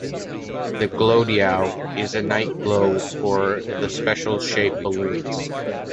The "Glowdeo" is a night glow for the special shapes balloons.